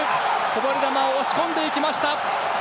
こぼれ球を押し込んでいきました！